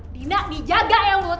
dina dijaga ya uluh